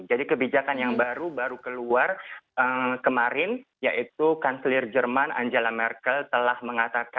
jadi kebijakan yang baru baru keluar kemarin yaitu kanselir jerman angela merkel telah mengatakan